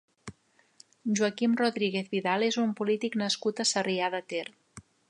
Joaquim Rodríguez Vidal és un polític nascut a Sarrià de Ter.